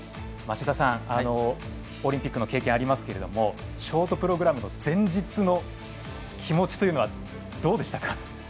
町田さん、オリンピックの経験ありますけれどもショートプログラムの前日の気持ちというのはどうでしたか？